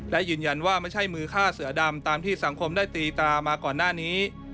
และยืนยันว่าไม่ใช่มือฆ่าเสือดำตามที่สังคมได้ตีตรามาก่อนหน้านี้